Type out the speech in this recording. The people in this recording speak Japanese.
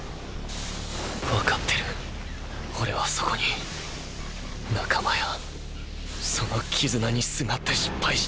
わかってるオレはそこに仲間やその絆にすがって失敗した。